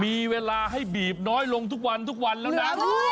มีเวลาให้บีบน้อยลงทุกวันทุกวันแล้วนะ